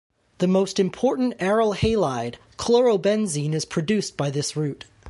The most important aryl halide, chlorobenzene is produced by this route.